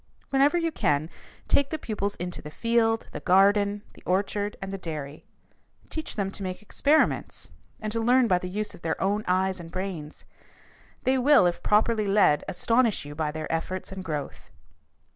Whenever you can, take the pupils into the field, the garden, the orchard, and the dairy. Teach them to make experiments and to learn by the use of their own eyes and brains. They will, if properly led, astonish you by their efforts and growth.